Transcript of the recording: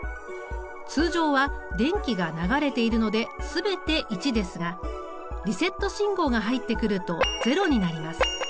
通常は電気が流れているので全て１ですがリセット信号が入ってくると０になります。